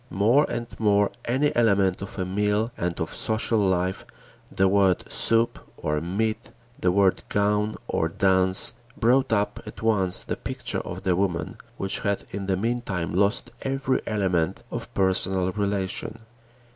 More and more any element of a meal and of social life, the word soup or meat, the word gown or dance, brought up at once the picture of the woman, which had in the meantime lost every element of personal relation.